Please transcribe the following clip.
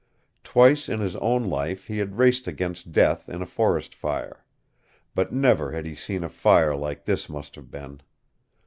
Twice in his own life he had raced against death in a forest fire. But never had he seen a fire like this must have been.